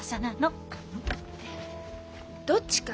どっちか？